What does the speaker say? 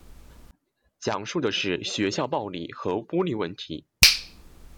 讲述的是学校暴力和孤立问题。